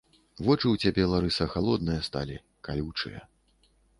Вочы ў цябе, Ларыса, халодныя сталі, калючыя